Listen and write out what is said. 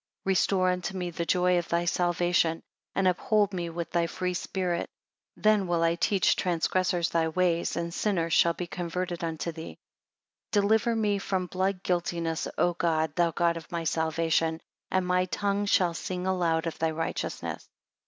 35 Restore unto me the joy of thy salvation, and uphold me with thy free spirit. 36 Then will I teach transgressors thy ways, and sinners shall be converted unto thee. 37 Deliver me from blood guiltiness, O God, thou God of my salvation; and my tongue shall sing aloud of thy righteousness.